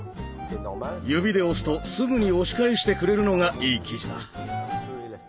指で押すとすぐに押し返してくれるのがいい生地だ。